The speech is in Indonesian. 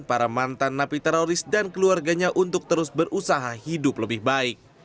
para mantan napi teroris dan keluarganya untuk terus berusaha hidup lebih baik